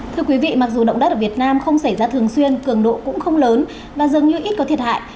thưa quý vị mặc dù động đất ở việt nam không xảy ra thường xuyên cường độ cũng không lớn và dường như ít có thiệt hại